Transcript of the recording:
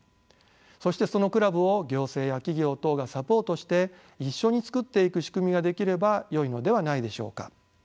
そしてそのクラブを行政や企業等がサポートして一緒に作っていく仕組みが出来ればよいのではないでしょうか。